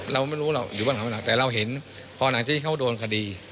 เราไม่รู้เราอยู่บ้านข้างหลังแต่เราเห็นพอหลังที่เขาโดนคดี